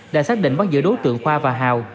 đã xác định bắt giữ đối tượng khoa và hào